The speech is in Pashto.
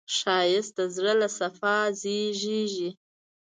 ښایست د زړه له صفا زېږېږي